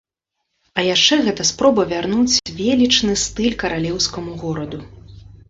А яшчэ гэта спроба вярнуць велічны стыль каралеўскаму гораду.